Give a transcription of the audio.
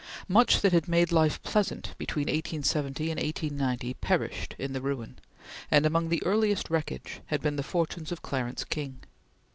Much that had made life pleasant between 1870 and 1890 perished in the ruin, and among the earliest wreckage had been the fortunes of Clarence King.